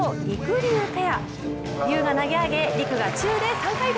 りゅうが投げ上げりくが宙で３回転。